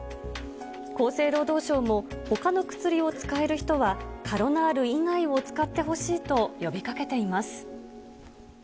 厚生労働省も、ほかの薬を使える人は、カロナール以外を使ってほしいと呼びかけています。